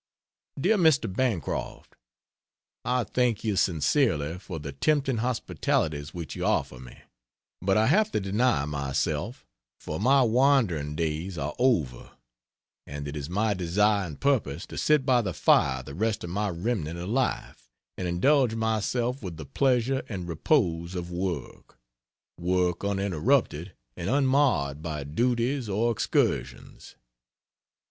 DEAR MR. BANCROFT, I thank you sincerely for the tempting hospitalities which you offer me, but I have to deny myself, for my wandering days are over, and it is my desire and purpose to sit by the fire the rest of my remnant of life and indulge myself with the pleasure and repose of work work uninterrupted and unmarred by duties or excursions.